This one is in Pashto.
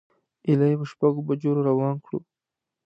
ایله یې په شپږو بجو روان کړو.